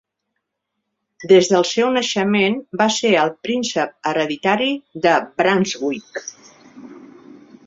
Des del seu naixement, va ser el "Príncep hereditari de Brunswick".